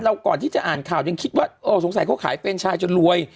ก่อนที่จะอ่านข่าวยังคิดว่าเออสงสัยเขาขายเฟรนชายจนรวย